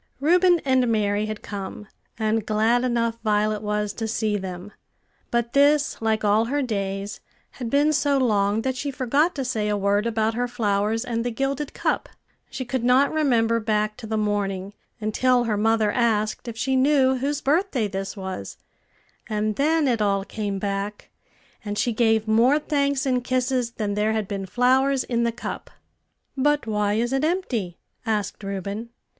Reuben and Mary had come; and glad enough Violet was to see them; but this, like all her days, had been so long that she forgot to say a word about her flowers and the gilded cup; she could not remember back to the morning, until her mother asked if she knew whose birthday this was; and then it all came back, and she gave more thanks and kisses than there had been flowers in the cup. "But why is it empty?" asked Reuben.